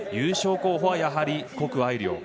優勝候補は、やはり谷愛凌。